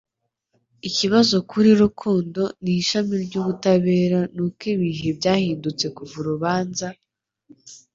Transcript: Ikibazo kuri Rukundo n'ishami ry'ubutabera ni uko ibihe byahindutse kuva urubanza